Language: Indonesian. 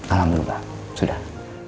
alhamdulillah pak sudah